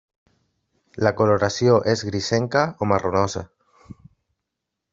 La coloració és grisenca o marronosa.